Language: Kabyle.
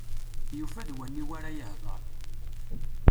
Yufa d waniwa ara yehder.